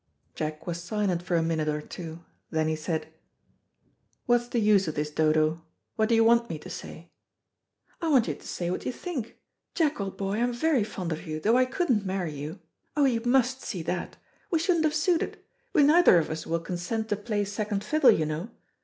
Jack was silent for a minute or two, then he said, "What is the use of this, Dodo? What do you want me to say?" "I want you to say what you think. Jack, old boy, I'm very fond of you, though I couldn't marry you. Oh, you must see that. We shouldn't have suited. We neither of us will consent to play second fiddle, you know.